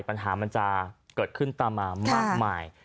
ปัญหามันจะเกิดขึ้นตามมามากมาย